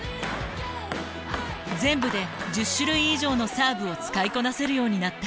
全部で１０種類以上のサーブを使いこなせるようになった。